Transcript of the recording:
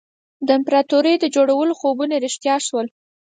د امپراطوري د جوړولو خوبونه رښتیا شول.